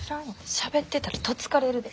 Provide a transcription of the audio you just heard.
しゃべってたらどつかれるで。